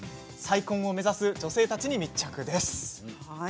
再婚を目指す女性たちに密着です。